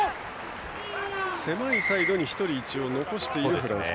狭いサイドに１人残しているフランス。